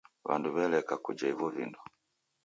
W'andu w'eleka kujha ivo vindo.